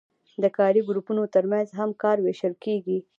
د کاري ګروپونو ترمنځ هم کار ویشل کیږي.